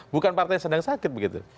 bukan partai yang sedang sakit begitu